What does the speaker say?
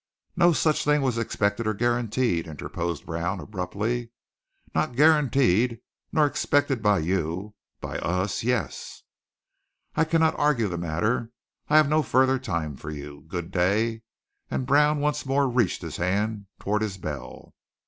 "No such thing was expected or guaranteed," interposed Brown abruptly. "Not guaranteed, nor expected by you by us, yes." "I cannot argue that matter. I have no further time for you. Good day." And Brown once more reached his hand toward his bell.